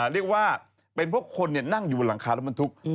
เรียกว่าเป็นเพราะคนนั่งอยู่บนหลังคารถบรรทุก